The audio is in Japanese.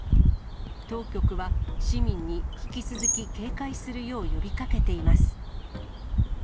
当局は、市民に引き続き警戒するよう呼びかけています。